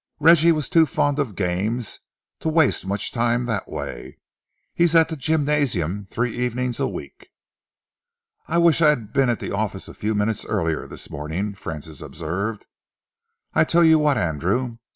Reggie was too fond of games to waste much time that way. He's at the gymnasium three evenings a week." "I wish I'd been at the office a few minutes earlier this morning," Francis observed. "I tell you what, Andrew.